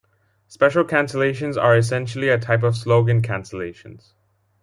Special cancellations are essentially a type of slogan cancellations.